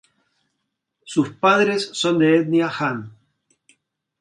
Sus padres son de etnia han.